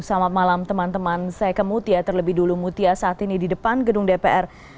selamat malam teman teman saya ke mutia terlebih dulu mutia saat ini di depan gedung dpr